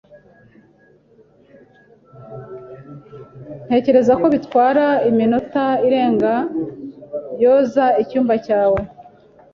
Ntekereza ko bitwara iminota irenga yoza icyumba cyawe.